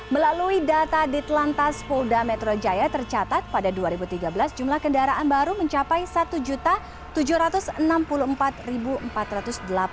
melalui data di telantas polda metro jaya tercatat pada dua ribu tiga belas jumlah kendaraan baru mencapai satu juta unit